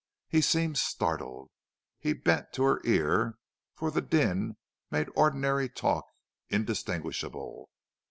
He seemed startled. He bent to her ear, for the din made ordinary talk indistinguishable.